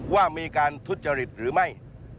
ว่ามีการทุจริตหรือไม่